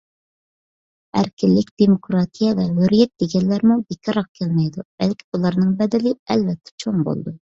ئەركىنلىك، دېموكراتىيە ۋە ھۆرىيەت دېگەنلەرمۇ بىكارغا كەلمەيدۇ. بەلكى بۇلارنىڭ بەدىلى ئەلۋەتتە چوڭ بولىدۇ.